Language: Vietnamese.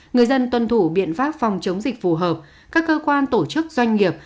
người dân tuân thủ biện pháp phòng chống dịch phù hợp các cơ quan tổ chức doanh nghiệp